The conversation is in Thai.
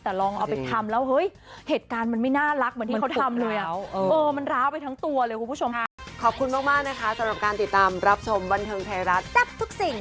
แต่ลองเอาไปทำแล้วเหตุการณ์มันไม่น่ารัก